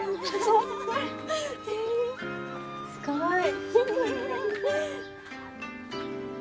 すごい。